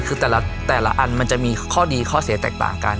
คือแต่ละอันมันจะมีข้อดีข้อเสียแตกต่างกัน